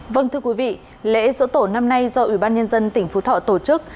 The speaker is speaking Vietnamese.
vâng thưa quý vị lễ sổ tổ năm nay do ủy ban nhân dân tỉnh phú thọ tổ chức